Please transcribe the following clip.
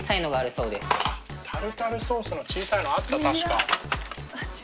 タルタルソースの小さいのあった確か。